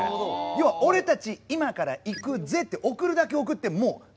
要は俺たち今から行くぜって送るだけ送ってもう突入したわけです。